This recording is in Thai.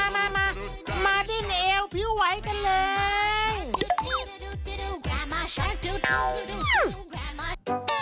มามาดิ้งเอวพิ้วไหวกันเลย